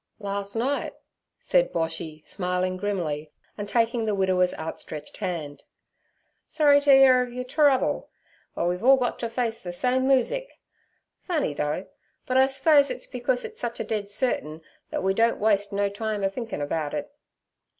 'Las' night' said Boshy, smiling grimly and taking the widower's outstretched hand. 'Sorry t' 'ear ov yer terouble. But we've all got t' face ther same moosic. Funny, though, but I s'pose it's becus it's a sich dead certin thet we don't waste no time a thinkin' about it.'